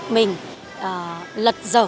mình lật dở